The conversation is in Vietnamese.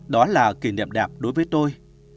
đó là kỷ niệm đẹp đối với tôi